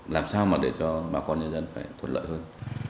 làm sao mà để cho bà con nhân dân phải thuận lợi hơn